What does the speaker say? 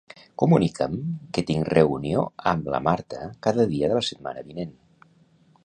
Comunica'm que tinc reunió amb la Marta cada dia de la setmana vinent.